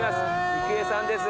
郁恵さんです。